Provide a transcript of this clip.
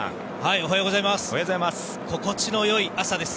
おはようございます。